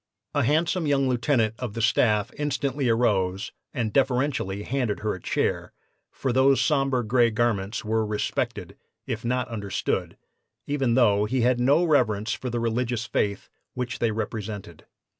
A handsome young lieutenant of the staff instantly arose and deferentially handed her a chair, for those sombre gray garments were respected, if not understood, even though he had no reverence for the religious faith which they represented.